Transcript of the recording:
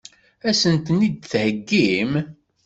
Ad sen-ten-id-theggim?